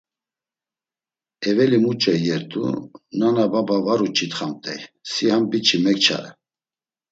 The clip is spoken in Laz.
Eveli muç̌o iyert̆u; nana baba var uç̌itxamt̆ey, si ham biç̌i mekçare!